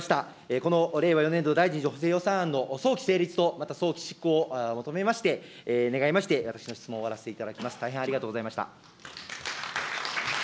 この令和４年度第２次補正予算案の早期成立と、また早期執行を求めまして、願いまして、私の質問を終わらせていただきます。